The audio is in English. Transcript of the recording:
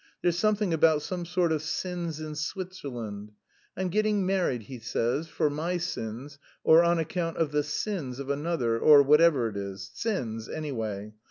There's something about some sort of 'sins in Switzerland.' 'I'm getting married,' he says, 'for my sins or on account of the 'sins' of another,' or whatever it is 'sins' anyway.